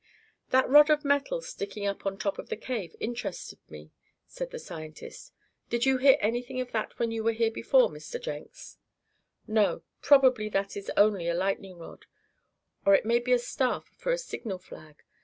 "That rod of metal sticking up on top of the cave interested me," said the scientist. "Did you hear anything of that when you were here before, Mr. Jenks?" "No. Probably that is only a lightning rod, or it may be a staff for a signal flag.